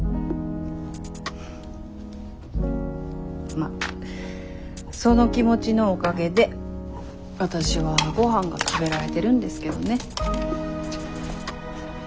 まあその気持ちのおかげでわたしはごはんが食べられてるんですけどね。